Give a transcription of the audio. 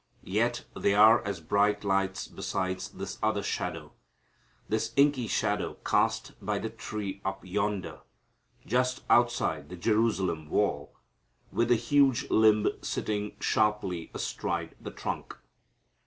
Yet they are as bright lights beside this other shadow, this inky shadow cast by the tree up yonder, just outside the Jerusalem wall, with the huge limb sitting sharply astride the trunk.